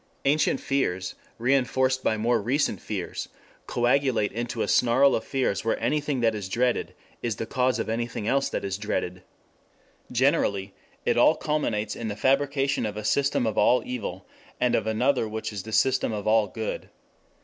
Ancient fears, reinforced by more recent fears, coagulate into a snarl of fears where anything that is dreaded is the cause of anything else that is dreaded. 10 Generally it all culminates in the fabrication of a system of all evil, and of another which is the system of all good.